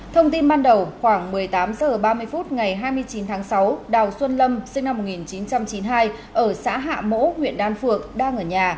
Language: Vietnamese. thông tin ban đầu khoảng một mươi tám h ba mươi phút ngày hai mươi chín tháng sáu đào xuân lâm sinh năm một nghìn chín trăm chín mươi hai ở xã hạ mẫu huyện đan phượng đang ở nhà